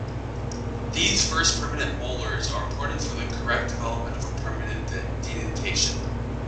These first permanent molars are important for the correct development of a permanent dentition.